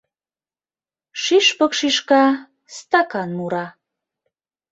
— Шӱшпык шӱшка, стакан мура.